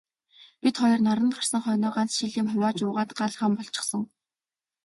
Бид хоёр наранд гарсан хойноо ганц шил юм хувааж уугаад гал хам болчихсон.